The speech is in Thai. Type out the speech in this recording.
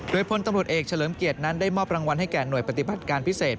โดยพลตำรวจเอกเฉลิมเกียรตินั้นได้มอบรางวัลให้แก่หน่วยปฏิบัติการพิเศษ